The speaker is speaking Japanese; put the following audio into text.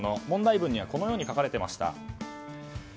問題文にはこのように書かれていました。